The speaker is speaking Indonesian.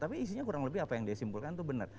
tapi isinya kurang lebih apa yang dia simpulkan itu benar